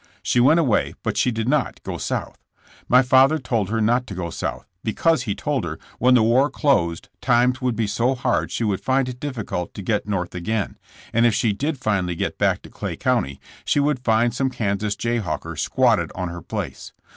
She went away but she did not go South. My father told her not to go South, because, he told her, when the war closed times would be so hard she would find it diffi cult to get North again, and if she did finally get back to Clay County she would find some Kansas Jayhawker squatted on her place.